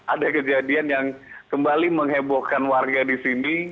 ada kejadian yang kembali mengebokkan warga disini